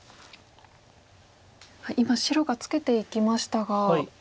今白がツケていきましたが。